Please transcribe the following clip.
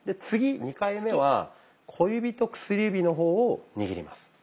次２回目は小指と薬指の方を握ります。